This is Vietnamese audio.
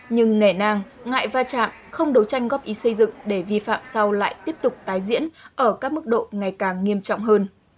nhưng ngẻ ngang ngại va chạm không đấu tranh góp ý xây dựng để vi phạm sau lại tiếp tục tái diễn ở các mức độ ngày càng nghiêm trọng hơn